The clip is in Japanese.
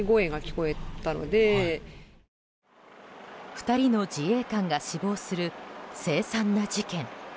２人の自衛官が死亡する凄惨な事件。